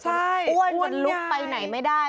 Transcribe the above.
ใช่อ้วนใหญ่อ้วนลุกไปไหนไม่ได้